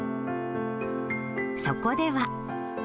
そこでは。